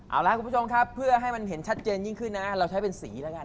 เอาล่ะคุณผู้ชมครับเพื่อให้มันเห็นชัดเจนยิ่งขึ้นนะเราใช้เป็นสีแล้วกัน